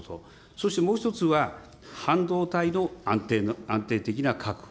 そしてもう１つは、半導体の安定的な確保。